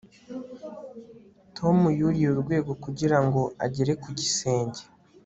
tom yuriye urwego kugira ngo agere ku gisenge